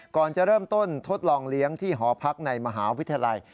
ก่อนจะเริ่มต้นทดลองเลี้ยงที่หอพักในมหาวิทยาลัย